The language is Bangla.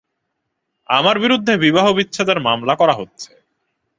আমার বিরুদ্ধে বিবাহবিচ্ছেদের মামলা করা হচ্ছে।